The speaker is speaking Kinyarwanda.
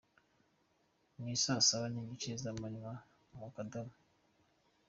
Ni saa saba n’igice z’amanywa, mu kadomo.